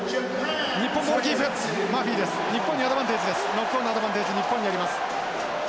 ノックオンのアドバンテージ日本にあります。